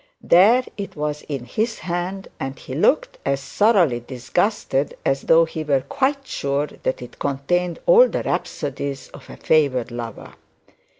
There it was in his hand; and he looked as thoroughly disgusted as though he were quite sure that it contained all the rhapsodies of a favoured lover.